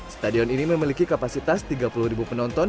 stadion ini memiliki kapasitas tiga puluh ribu penonton